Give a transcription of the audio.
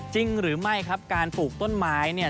จริงหรือไม่ครับการปลูกต้นไม้เนี่ย